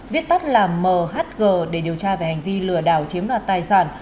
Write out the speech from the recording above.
viết tắt là mhg để điều tra về hành vi lừa đảo chiếm đoạt tài sản